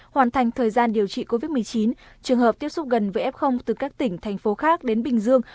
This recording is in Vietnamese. hoàn thành thời gian điều trị covid một mươi chín trường hợp tiếp xúc gần với f từ các tỉnh thành phố khác đến bình dương